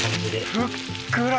ふっくら。